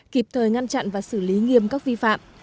kịp thời ngăn chặn và xử lý nghiêm các vi phạm